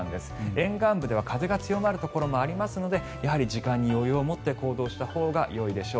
沿岸部では風が強まるところもありますのでやはり時間に余裕を持って行動したほうがよいでしょう。